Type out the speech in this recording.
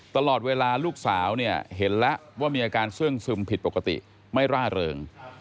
ตลอดเวลาลูกสาวเนี่ยเห็นแล้วว่ามีอาการเสื่องซึมผิดปกติไม่ร่าเริง